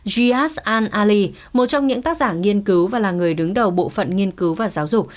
giyas an al ali một trong những tác giả nghiên cứu và là người đứng đầu bộ phận nghiên cứu và giáo dục